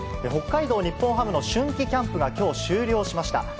北海道日本ハムの春季キャンプがきょう、終了しました。